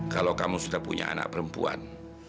kalau kamu sudah punya anak perempuan